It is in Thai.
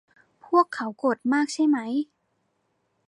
พวกเค้าโกรธมากใช่ไหม